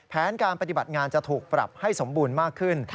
แผนการปฏิบัติงานจะถูกปรับให้สมบูรณ์มากขึ้น